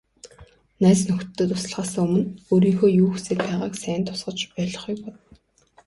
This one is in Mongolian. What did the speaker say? Найз нөхдөдөө туслахаасаа өмнө өөрийнхөө юу хүсээд байгааг сайн тусгаж ойлгохыг бод.